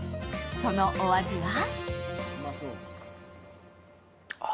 そのお味は？